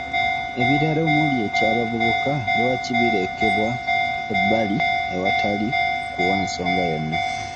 Ebirala omuli eky’abavubuka lwaki birekebwa ebbali awatali kuwa nsonga yonna.